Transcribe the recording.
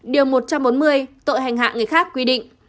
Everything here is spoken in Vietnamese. điều một trăm bốn mươi tội hành hạ người khác quy định